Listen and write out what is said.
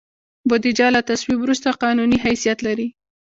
بودیجه له تصویب وروسته قانوني حیثیت لري.